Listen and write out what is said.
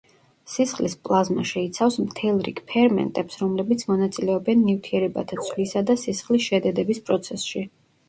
სისხლის პლაზმა შეიცავს მთელ რიგ ფერმენტებს, რომლებიც მონაწილეობენ ნივთიერებათა ცვლისა და სისხლის შედედების პროცესში.